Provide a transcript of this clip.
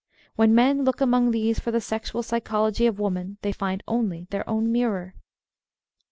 When men look among these for the sexual psychology of woman they find only their own mirror."